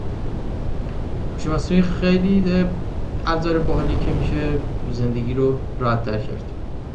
It is a product of Bally Technologies, under its Shuffle Master brand.